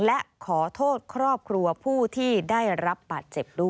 และขอโทษครอบครัวผู้ที่ได้รับบาดเจ็บด้วย